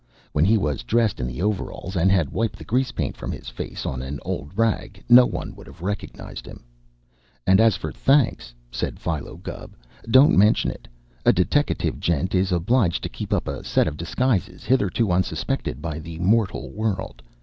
When he was dressed in the overalls and had wiped the grease paint from his face on an old rag, no one would have recognized him. "And as for thanks," said Philo Gubb, "don't mention it. A deteckative gent is obliged to keep up a set of disguises hitherto unsuspected by the mortal world.